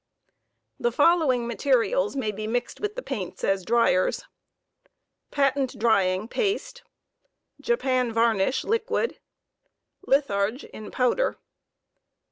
The following materials may be mixed with the paints as driers: Patent drying, paste. Japan Tarnish, liquid. Litharge, in powder.